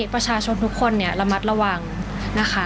ประชาชนทุกคนเนี่ยระมัดระวังนะคะ